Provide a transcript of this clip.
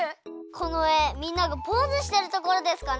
このえみんながポーズしてるところですかね？